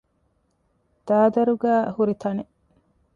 ދާދަރުގައި ހުރި ތަނެއް